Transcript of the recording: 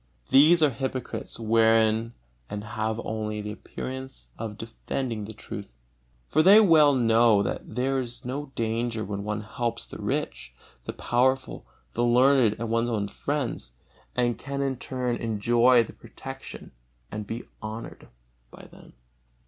These are hypocrites within and have only the appearance of defending the truth. For they well know that there is no danger when one helps the rich, the powerful, the learned and one's own friends, and can in turn enjoy their protection and be honored by them.